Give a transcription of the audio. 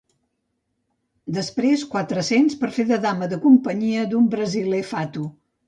Després, quatre-cents per fer de dama de companyia d'un brasiler fatu.